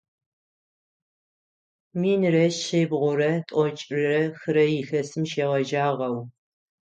Минрэ шъибгъурэ тӏокӏрэ хырэ илъэсым шегъэжьагъэу.